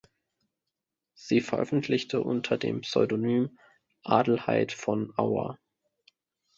Sie veröffentlichte unter dem Pseudonym „Adelheid von Auer“.